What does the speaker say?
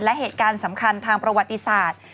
และเหตุการณ์สำคัญทางประวัติศาสตร์